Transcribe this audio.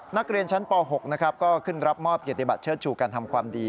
นักเรียนชั้นป๖นะครับก็ขึ้นรับมอบเกียรติบัตเชิดชูการทำความดี